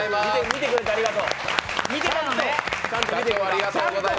見てくれてありがとう。